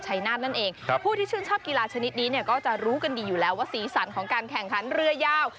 นาธนั่นเองครับผู้ที่ชื่นชอบกีฬาชนิดนี้เนี่ยก็จะรู้กันดีอยู่แล้วว่าสีสันของการแข่งขันเรือยาว